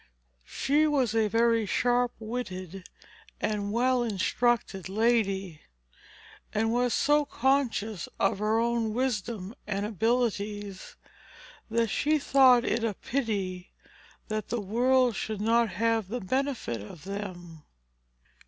She was a very sharp witted and well instructed lady, and was so conscious of her own wisdom and abilities, that she thought it a pity that the world should not have the benefit of them.